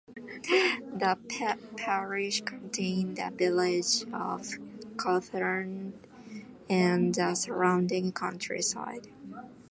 The parish contains the village of Cawthorne and the surrounding countryside.